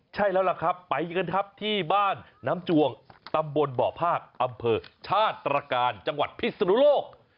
ใช่แล้วล่ะครับไปกันครับที่บ้านน้ำจวงตำบลบ่อภาคอำเภอชาติตรการจังหวัดพิศนุโลก